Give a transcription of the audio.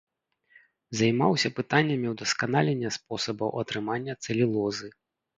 Займаўся пытаннямі ўдасканалення спосабаў атрымання цэлюлозы.